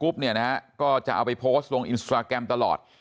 เนี่ยนะฮะก็จะเอาไปโพสต์ลงอินสตราแกรมตลอด